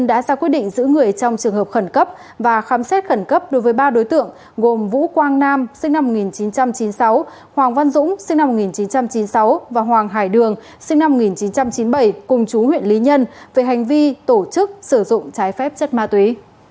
đã ra quyết định giữ người trong trường hợp khẩn cấp và khám xét khẩn cấp đối với ba đối tượng gồm vũ quang nam sinh năm một nghìn chín trăm chín mươi sáu hoàng văn dũng sinh năm một nghìn chín trăm chín mươi sáu và hoàng hải đường sinh năm một nghìn chín trăm chín mươi bảy cùng chú huyện lý nhân về hành vi tổ chức sử dụng trái phép chất ma túy